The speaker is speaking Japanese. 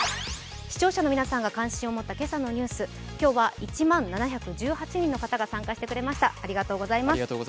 視聴者の皆さんが関心を持った今朝のニュース、今日は１万７１８人の方が参加してくれました、ありがとうございます。